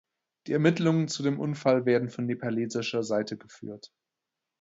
Die Ermittlungen zu dem Unfall werden von nepalesischer Seite geführt.